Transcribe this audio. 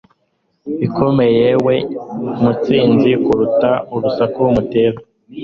Ikomeye yewe mutsinzi kuruta urusaku mutera